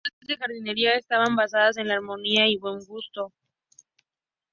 Sus obras de jardinería estaban basadas en la armonía y el buen gusto.